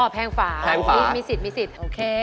แพงฝาอ่อแพงฝาอันนี้มีสิทธิ์โอเค